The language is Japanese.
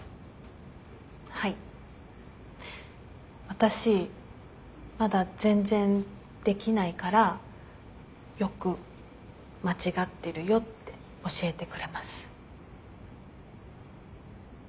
私まだ全然できないからよく「間違ってるよ」って教えてくれます。